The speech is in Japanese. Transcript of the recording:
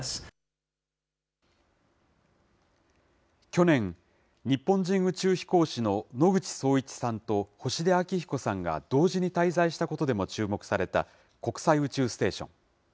去年、日本人宇宙飛行士の野口聡一さんと星出彰彦さんが同時に滞在したことでも注目された国際宇宙ステーション。